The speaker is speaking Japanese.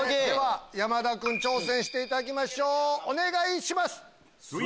山田君挑戦していただきましょうお願いします！